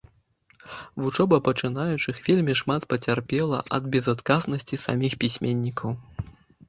Вучоба пачынаючых вельмі шмат пацярпела ад безадказнасці саміх пісьменнікаў.